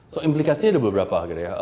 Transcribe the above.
so implikasinya ada beberapa gitu ya